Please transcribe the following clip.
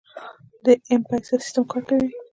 د ایم پیسه سیستم کار کوي؟